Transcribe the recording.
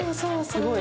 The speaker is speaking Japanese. すごい。